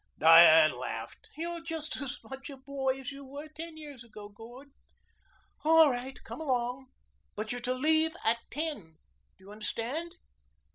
Diane laughed. "You're just as much a boy as you were ten years ago, Gord. All right. Come along. But you're to leave at ten. Do you understand?"